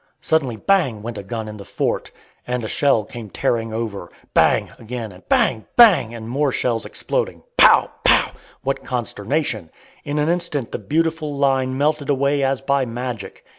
Suddenly bang! went a gun in the fort, and a shell came tearing over. Bang! again, and bang! bang! and more shells exploding. Pow! pow! what consternation! In an instant the beautiful line melted away as by magic.